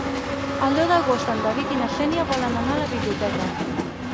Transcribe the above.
El deu d'agost en David i na Xènia volen anar a la biblioteca.